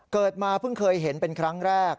เกิดมาเพิ่งเคยเห็นเป็นครั้งแรก